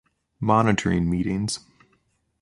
Monitoring meetings.